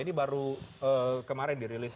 ini baru kemarin dirilis